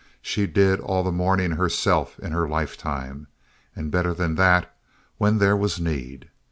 She did all the mourning herself in her lifetime, and better than that when there was need.